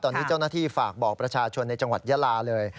ตอนนี้เจ้าหน้าที่ฝากบอกประชาชนในจังหวัดยาลาเลย